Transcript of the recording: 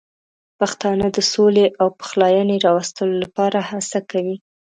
پښتانه د سولې او پخلاینې راوستلو لپاره هڅه کوي.